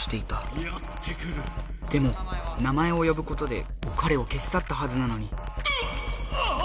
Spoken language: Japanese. でも名前をよぶことでかれを消しさったはずなのに。